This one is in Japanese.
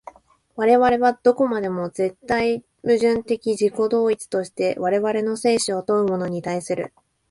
我々はどこまでも絶対矛盾的自己同一として我々の生死を問うものに対する。